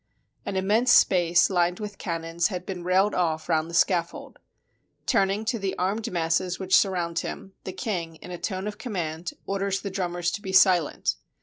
An immense space lined with cannons had been railed off round the scaffold. Turning to the armed masses which surround him, the king, in a tone of command, orders the drummers to be silent.